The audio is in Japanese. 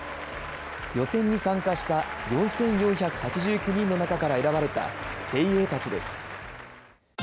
予選に参加した４４８９人の中から選ばれた精鋭たちです。